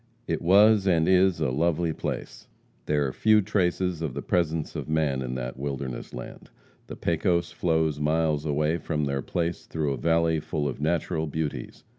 It was and is a lovely place. There are few traces of the presence of man in that wilderness land. The Pecos flows miles away from their place through a valley full of natural beauties.